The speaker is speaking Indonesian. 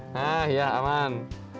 nah ya aman